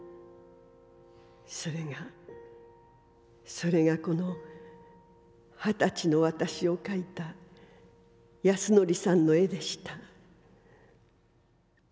それがそれがこの二十歳の私を描いた安典さんの絵でした」。